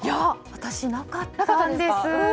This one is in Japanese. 私、なかったです。